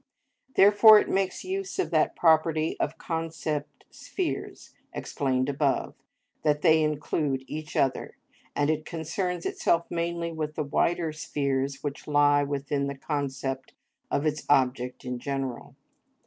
Therefore, it makes use of that property of concept spheres explained above, that they include each other, and it concerns itself mainly with the wider spheres which lie within the concept of its object in general.